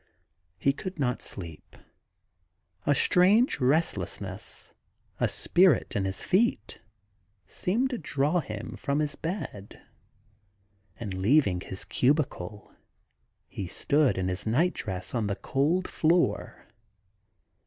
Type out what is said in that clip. He could not sleep. A strange restlessness, a ' spirit in his feet,' seemed to draw him from his bed, and leaving his cubicle, he stood in his night dress on the cold floor.